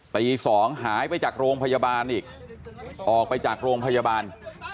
ตี๒หายไปจากโรงพยาบาลอีกออกไปจากโรงพยาบาล